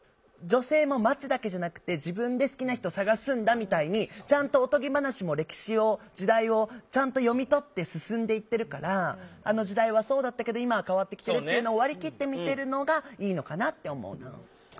女性も待つだけじゃなくて自分で好きな人を探すんだみたいにおとぎ話も歴史を時代をちゃんと読み取って進んでいってるからあの時代はそうだったけど今は変わってきてるっていうのを割り切って見てるのがいいのかなって思うなぁ。